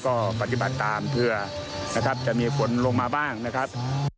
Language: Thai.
ก็ปฏิบัติตามเผื่อนะครับจะมีคนลงมาบ้างนะครับ